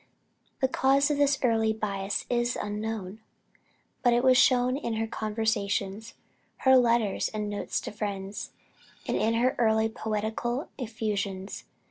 The cause of this early bias is unknown, but it was shown in her conversations, her letters and notes to friends, and in her early poetical effusions.